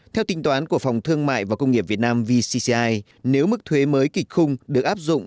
theo tính toán của phòng thương mại và công nghiệp việt nam vcci nếu mức thuế mới kịch khung được áp dụng